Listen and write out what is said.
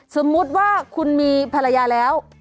สมมุติว่าคุณมีภรรยาแล้ว